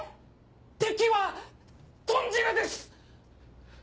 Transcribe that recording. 敵は豚汁です！